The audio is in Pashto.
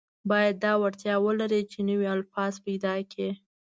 باید دا وړتیا ولري چې نوي الفاظ پیدا کړي.